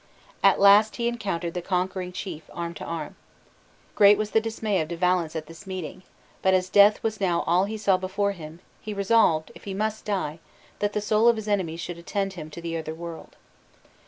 At last he encountered the conquering chief, arm to arm. Great was the dismay of De Valence at this meeting; but as death was now all he saw before him, he resolved, if he must die, that the soul of his enemy should attend him to the other world.